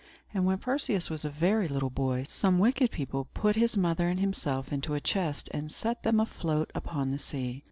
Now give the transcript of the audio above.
And when Perseus was a very little boy, some wicked people put his mother and himself into a chest, and set them afloat upon the sea.